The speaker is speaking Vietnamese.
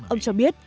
ông cho biết